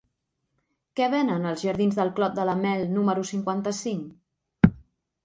Què venen als jardins del Clot de la Mel número cinquanta-cinc?